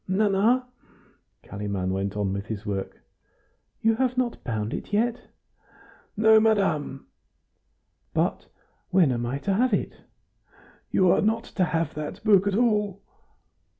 "Nana?" Kalimann went on with his work. "You have not bound it yet?" "No, madame." "But when am I to have it?" "You are not to have that book at all."